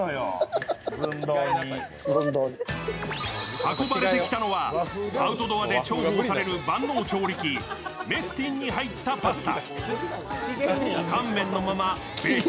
運ばれてきたのはアウトドアで重宝される万能調理器メスティンに入ったパスタ。